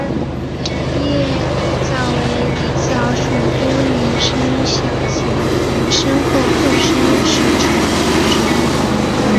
圆叶狸藻为狸藻属多年生小型岩生或附生食虫植物。